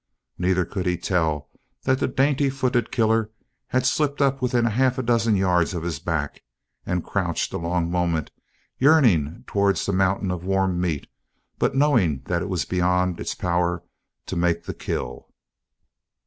Neither could he tell that the dainty footed killer had slipped up within half a dozen yards of his back and crouched a long moment yearning towards the mountain of warm meat but knowing that it was beyond its powers to make the kill.